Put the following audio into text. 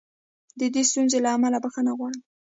د دې ستونزې له امله بښنه غواړم.